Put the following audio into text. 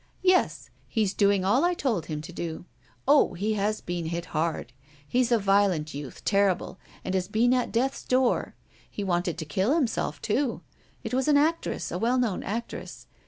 "Yes. He's doing all I told him to do. Oh! he has been hit hard. He's a violent youth, terrible, and has been at death's door. He wanted to kill himself, too. It was an actress a well known actress.